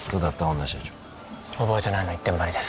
女社長覚えてないの一点張りです